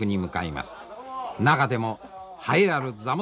中でも栄えある座元